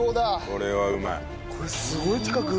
これはうまい。